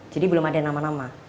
jadi belum ada nama nama